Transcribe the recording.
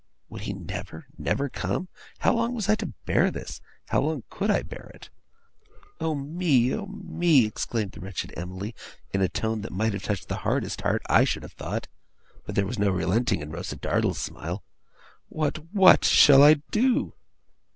Would he never, never come? How long was I to bear this? How long could I bear it? 'Oh me, oh me!' exclaimed the wretched Emily, in a tone that might have touched the hardest heart, I should have thought; but there was no relenting in Rosa Dartle's smile. 'What, what, shall I do!